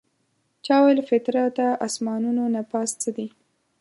چا ویل فطرته اسمانونو نه پاس څه دي؟